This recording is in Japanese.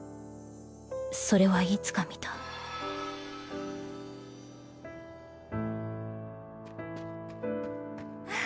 それはいつか見たあ。